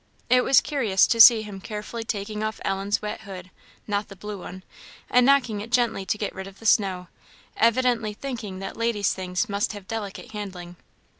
It was curious to see him carefully taking off Ellen's wet hood (not the blue one) and knocking it gently to get ride of the snow; evidently thinking that ladies' things must have delicate handling.